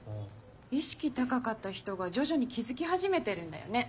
意識高かった人が徐々に気付き始めてるんだよね。